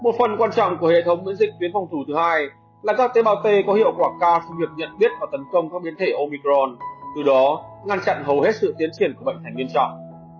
một phần quan trọng của hệ thống miễn dịch tuyến phòng thủ thứ hai là các tế bào t có hiệu quả cao trong việc nhận biết và tấn công các biến thể omicron từ đó ngăn chặn hầu hết sự tiến triển của vận hành nghiêm trọng